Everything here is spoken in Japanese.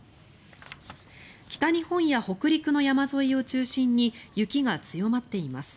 北日本や北陸の山沿いを中心に雪が強まっています。